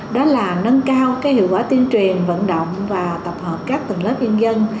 đó là nâng cao hiệu quả tiên truyền vận động và tập hợp các tầng lớp nhân dân